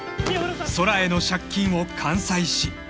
［空への借金を完済し］